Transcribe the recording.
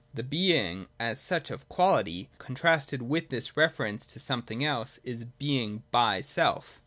The Being as such of Quality, contrasted with this reference to somewhat else, is Being by self.